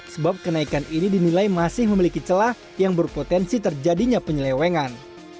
sebab kenaikan ini dinilai masih memiliki celah yang berpotensi terjadinya penyelewengan